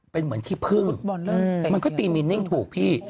เป็นเหมือนที่พึ่งมันก็ตีมีนิ่งถูกพี่